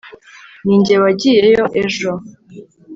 ninjye wagiyeyo ejo